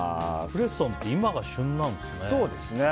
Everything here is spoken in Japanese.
クレソンって今が旬なんですね。